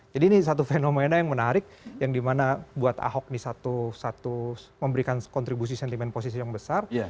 jadi ini satu fenomena yang menarik yang dimana buat ahok nih satu satu memberikan kontribusi sentimen positif yang besar